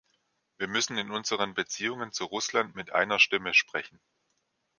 Wir müssen in unseren Beziehungen zu Russland mit einer Stimme sprechen.